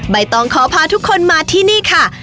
ใบตองขอพาทุกคนมาที่นี่ค่ะ